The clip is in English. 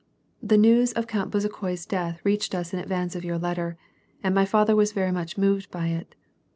" The news of Count Bezukhoi's death reached us in advance of your letter, and my father was very much moved by it.